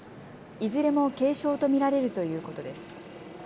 いずれも軽傷と見られるということです。